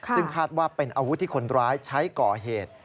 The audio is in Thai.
ซึ่งคาดว่าเป็นอาวุธที่คนร้ายใช้ก่อเหตุ